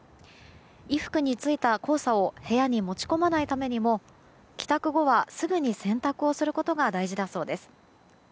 衣服についた黄砂を部屋に持ち込まないためにも帰宅後はすぐに洗濯をすることが大事だそうです。